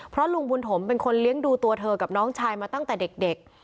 เพราะลุงบุญถมเป็นคนเลี้ยงดูตัวเธอกับน้องชายมาตั้งแต่เด็ก